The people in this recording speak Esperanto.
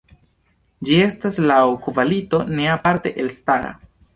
Ĝi estas laŭ kvalito ne aparte elstara.